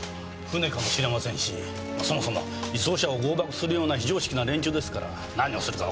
船かもしれませんしそもそも移送車を強奪するような非常識な連中ですから何をするかわかりませんよ。